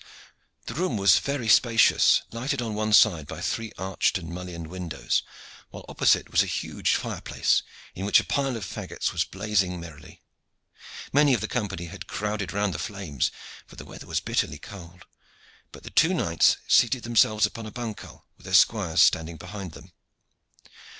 The room was very spacious, lighted on one side by three arched and mullioned windows, while opposite was a huge fireplace in which a pile of faggots was blazing merrily. Many of the company had crowded round the flames, for the weather was bitterly cold; but the two knights seated themselves upon a bancal, with their squires standing behind them.